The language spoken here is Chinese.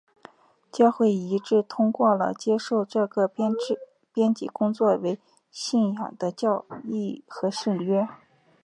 教会一致通过了接受这个编辑工作为信仰的教义和圣约。